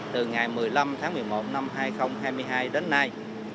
từ ngày một mươi năm tháng một mươi một năm hai nghìn hai mươi hai đến nay